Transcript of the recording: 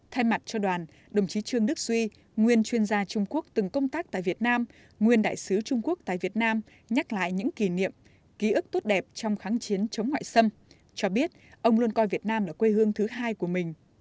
thay mặt cho đoàn đồng chí trương đức duy nguyên chuyên gia trung quốc từng công tác tại việt nam nguyên đại sứ trung quốc tại việt nam nhắc lại những kỷ niệm ký ức tốt đẹp trong kháng chiến chống ngoại xâm cho biết ông luôn coi việt nam là quê hương thứ hai của mình